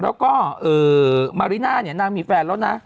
แล้วก็มาริน่าเนี่ยนางมีแฟนแล้วนะ